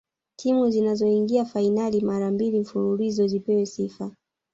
timu zinazoingia fainali mara mbili mfululizo zipewe sifa